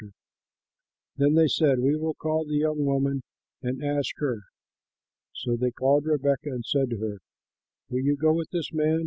L. Taylor] Then they said, "We will call the young woman and ask her." So they called Rebekah and said to her, "Will you go with this man?"